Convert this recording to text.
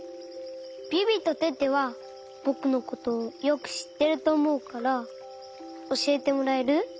ビビとテテはぼくのことよくしってるとおもうからおしえてもらえる？